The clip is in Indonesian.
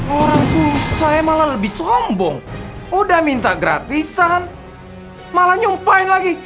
orangku saya malah lebih sombong udah minta gratisan malah nyumpain lagi